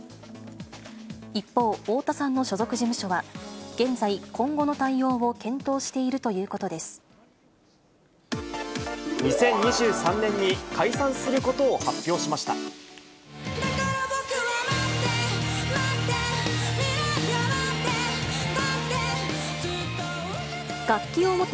一方、太田さんの所属事務所は、現在、今後の対応を検討しているという２０２３年に解散することを発表しました。